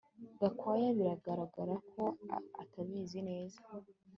Gakwaya biragaragara ko atabizi neza